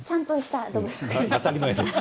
当たり前です。